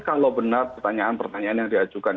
kalau benar pertanyaan pertanyaan yang diajukan